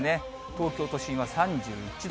東京都心は３１度。